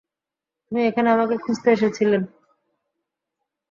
তুমি এখানে আমাকে খুঁজতে এসেছিলে।